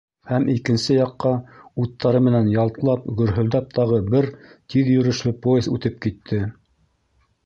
Һәм икенсе яҡҡа, уттары менән ялтлап, гөрһөлдәп тағы бер тиҙ йөрөшлө поезд үтеп китте.